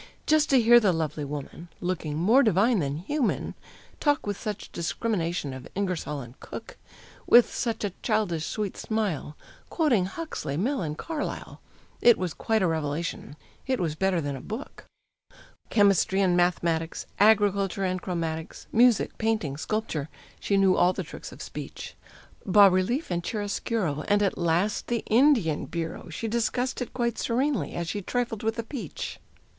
Just to hear the lovely woman, looking more divine than human, Talk with such discrimination of Ingersoll and Cook, With such a childish, sweet smile, quoting Huxley, Mill, and Carlyle It was quite a revelation it was better than a book. Chemistry and mathematics, agriculture and chromatics, Music, painting, sculpture she knew all the tricks of speech; Bas relief and chiaroscuro, and at last the Indian Bureau She discussed it quite serenely, as she trifled with a peach.